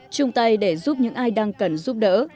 chung tay để giúp những ai đang cần giúp đỡ